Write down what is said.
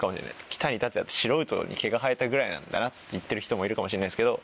キタニタツヤって素人に毛が生えたぐらいなんだなって言ってる人もいるかもしれないですけど。